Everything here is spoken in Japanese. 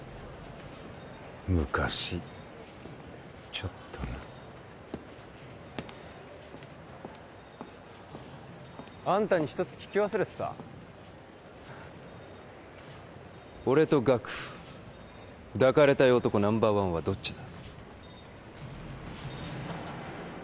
昔ちょっとなあんたに一つ聞き忘れてた俺とガク抱かれたい男ナンバーワンはどっちだ？